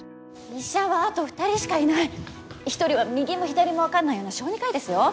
「医者はあと２人しかいない」「一人は右も左も分かんないような小児科医ですよ」